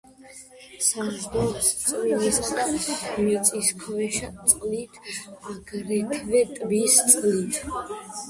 საზრდოობს წვიმისა და მიწისქვეშა წყლით, აგრეთვე ტბის წყლით.